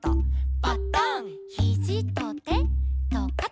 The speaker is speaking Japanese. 「パタン」「ヒジとてとかた」